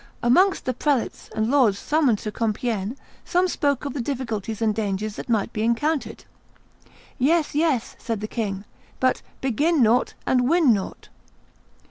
Amongst the prelates and lords summoned to Compiegne some spoke of the difficulties and dangers that might be encountered. "Yes, yes," said the king, "but 'begin nought and win nought.